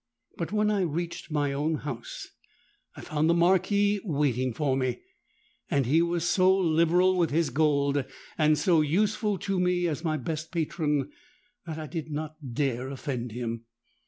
But when I reached my own house, I found the Marquis waiting for me; and he was so liberal with his gold, and so useful to me as my best patron, that I did not dare offend him.